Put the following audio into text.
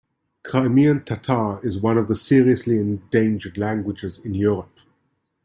Crimean Tatar is one of the seriously endangered languages in Europe.